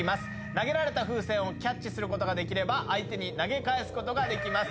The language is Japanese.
投げられた風船をキャッチすることができれば相手に投げ返すことができます。